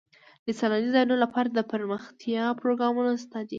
د سیلاني ځایونو لپاره دپرمختیا پروګرامونه شته دي.